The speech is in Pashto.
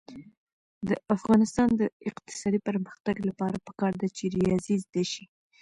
د افغانستان د اقتصادي پرمختګ لپاره پکار ده چې ریاضي زده شي.